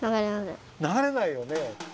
ながれないよね。